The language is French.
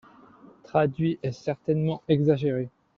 «Traduit» est certainement exagéré.